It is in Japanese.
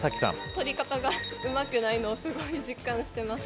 取り方がうまくないのをすごい実感してます